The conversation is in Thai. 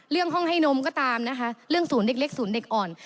ห้องให้นมก็ตามนะคะเรื่องศูนย์เด็กเล็กศูนย์เด็กอ่อน